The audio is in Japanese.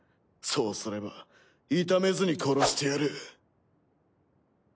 そうすれば痛めずに殺してやる。